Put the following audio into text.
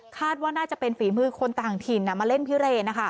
คาดว่าน่าจะเป็นฝีมือคนต่างถิ่นมาเล่นพิเรนนะคะ